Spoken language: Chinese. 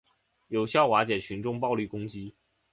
有效瓦解群众暴力攻击